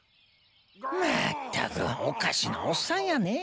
まったくおかしなおっさんやねえ。